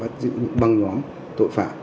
những băng nhóm tội phạm